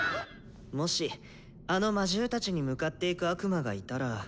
もしあの魔獣たちに向かっていく悪魔がいたら。